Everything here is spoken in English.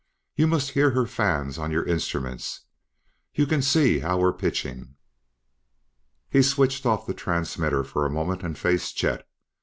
"You must hear her fans on your instruments; you can see how we're pitchin'!" He switched off the transmitter for a moment and faced Chet.